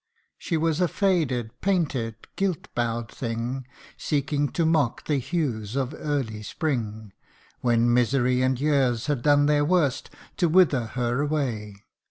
She was a faded, painted, guilt bow'd thing, Seeking to mock the hues of early spring, When misery and years had done their worst To wither her away.